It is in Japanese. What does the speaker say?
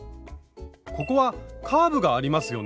ここはカーブがありますよね？